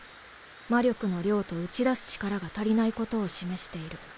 魔力の量と打ち出す力が足りないことを示している。